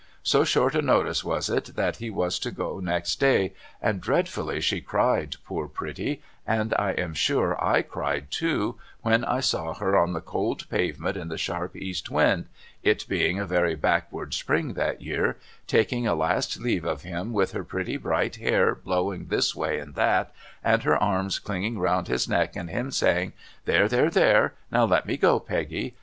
So short a notice was it that he was to go next day, and dreadfully she cried poor pretty, and I am sure I cried WATCHING FOR THE POSTMAN 335 too when I saw her on the cold pavement in the sharp east wind — it being a very backward spring that year — taking a last leave of him with her pretty bright hair blowing this way and that and her arms clinging round his neck and him saying ' There there there. Now let me go Peggy.'